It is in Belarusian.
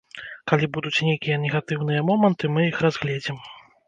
Калі будуць нейкія негатыўныя моманты мы іх разгледзім.